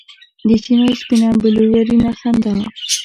د چېنو سپینه بلورینه خندا